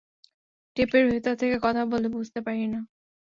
টেপের ভিতর থেকে কথা বললে বুঝতে পারি না।